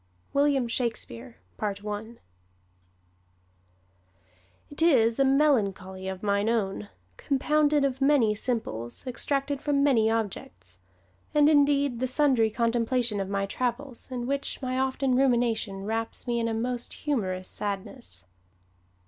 WILLIAM SHAKESPEARE It is a melancholy of mine own, compounded of many simples, extracted from many objects, and indeed the sundry contemplation of my travels, in which my often rumination wraps me in a most humorous sadness.